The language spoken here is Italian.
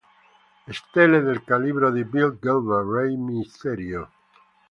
Stelle del calibro di Bill Goldberg, Rey Mysterio.